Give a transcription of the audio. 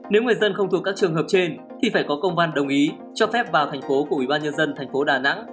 nếu người dân không thuộc các trường hợp trên thì phải có công văn đồng ý cho phép vào thành phố của ubnd tp đà nẵng